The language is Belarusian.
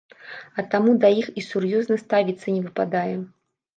А таму да іх і сур'ёзна ставіцца не выпадае.